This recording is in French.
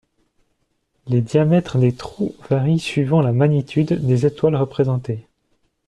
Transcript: Les diamètres des trous varient suivant la magnitude des étoiles représentées.